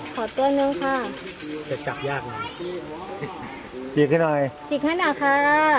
ตัวนึงค่ะจะจับยากหน่อยจิกให้หน่อยจิกให้หน่อยค่ะ